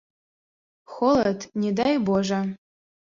Холад, не дай божа.